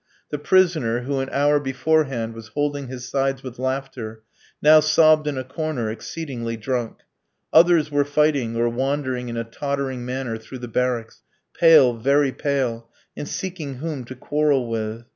The prisoner, who an hour beforehand was holding his sides with laughter, now sobbed in a corner, exceedingly drunk; others were fighting, or wandering in a tottering manner through the barracks, pale, very pale, and seeking whom to quarrel with.